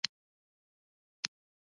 ایا مصنوعي ځیرکتیا د بېکارۍ وېره نه زیاتوي؟